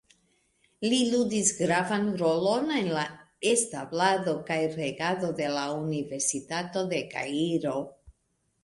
Li ludis gravan rolon en la establado kaj regado de la Universitato de Kairo.